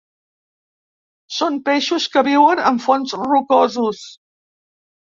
Són peixos que viuen en fons rocosos.